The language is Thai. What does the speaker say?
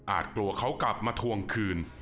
กลัวเขากลับมาทวงคืน